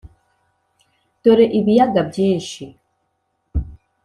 dore ibiyaga byinshi